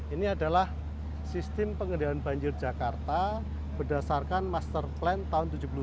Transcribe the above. ini adalah sistem pengendalian banjir jakarta berdasarkan master plan tahun seribu sembilan ratus tujuh puluh dua